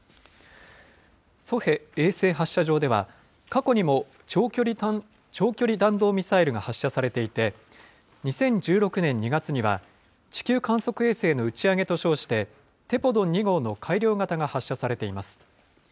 ソヘ衛星発射場では、過去にも長距離弾道ミサイルが発射されていて、２０１６年２月には、地球観測衛星の打ち上げと称して、テポドン２号の改良型が発射されています。